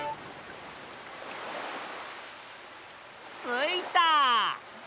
ついた！